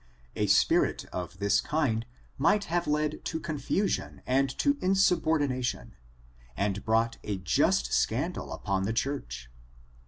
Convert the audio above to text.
A spirit of this kind might have led to confusion, and to insubordination, and brought a just scandal upon the church.